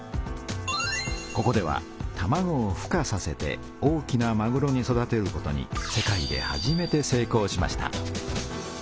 ここではたまごをふ化させて大きなまぐろに育てることに世界で初めて成功しました。